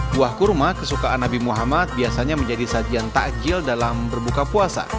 buah kurma kesukaan nabi muhammad biasanya menjadi sajian takjil dalam berbuka puasa